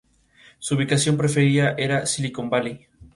Su ubicación preferida era Silicon Valley.